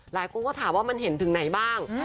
หลายคนก็ถามว่ามันเห็นถึงไหนบ้าง